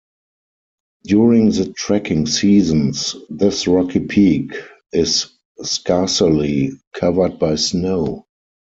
During the trekking seasons this rocky peak is scarcely covered by snow.